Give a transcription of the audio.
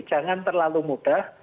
jangan terlalu mudah